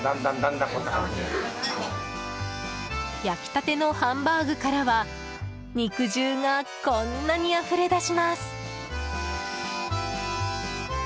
焼きたてのハンバーグからは肉汁がこんなにあふれ出します。